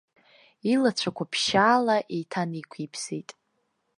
Илацәақәа ԥшьшьала еиҭанеиқәиԥсеит.